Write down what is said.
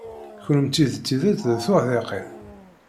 Kennemti d tidet d tuḥdiqin.